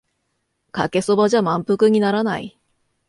かけそばじゃ満腹にならない